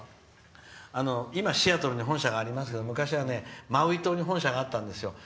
今、シアトルに本社がありますけど昔はマウイ島に本社があったんですよ。